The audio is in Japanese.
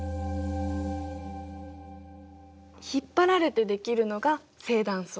引っ張られてできるのが正断層。